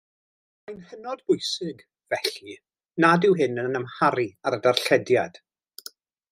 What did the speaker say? Mae'n hynod bwysig, felly, nad yw hyn yn amharu ar y darllediad.